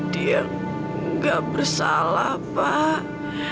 dia tidak bersalah pak